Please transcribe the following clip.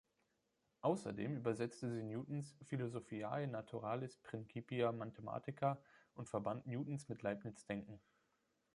Außerdem übersetzte sie Newtons "Philosophiae Naturalis Principia Mathematica" und verband Newtons mit Leibniz’ Denken.